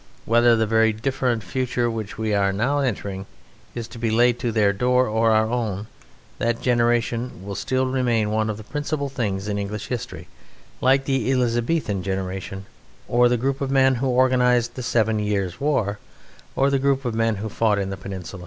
Whether the very different future which we are now entering is to be laid to their door or to our own, that generation will still remain one of the principal things in English history, like the Elizabethan generation, or the group of men who organized the Seven Years' War, or the group of men who fought in the Peninsula.